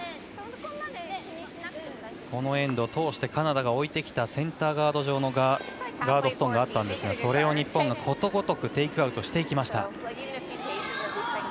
このエンド通してカナダが置いてきたセンターガード上のガードストーンがあったんですがそれを日本がことごとくテイクアウトしていきました。